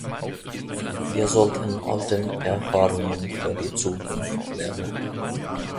Wir sollten aus den Erfahrungen für die Zukunft lernen.